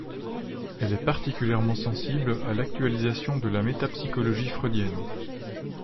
Elle est particulièrement sensible à l'actualisation de la métapsychologie freudienne.